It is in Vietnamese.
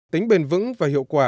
tính bền vững và hiệu quả